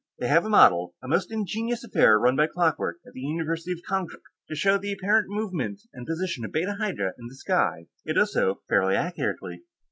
They have a model, a most ingenious affair run by clockwork, at the University of Konkrook, to show the apparent movement and position of Beta Hydrae in the sky; it does so fairly accurately.